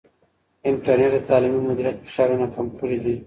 انټرنیټ د تعلیمي مدیریت فشارونه کم کړي دي.